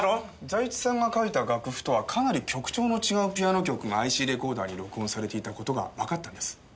財津さんが書いた楽譜とはかなり曲調の違うピアノ曲がＩＣレコーダーに録音されていた事がわかったんです。